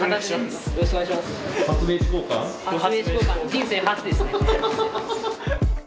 人生初ですね。